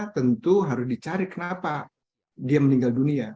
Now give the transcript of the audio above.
tentu harus dicari kenapa dia meninggal dunia